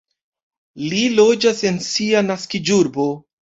Li loĝas en sia naskiĝurbo.